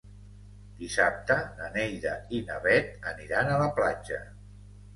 Dissabte na Neida i na Bet aniran a la platja.